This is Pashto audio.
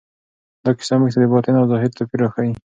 دا کیسه موږ ته د باطن او ظاهر توپیر راښيي.